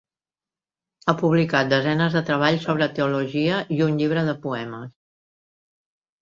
Ha publicat desenes de treballs sobre teologia i un llibre de poemes.